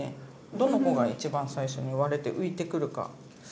どの子が一番最初に割れて浮いてくるか。